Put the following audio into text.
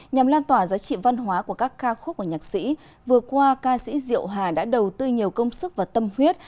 nhằm lan tỏa giá trị văn hóa của các ca khúc của nhạc sĩ vừa qua ca sĩ diệu hà đã đầu tư nhiều công sức và tâm huyết